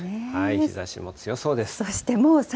日ざしも強そうです。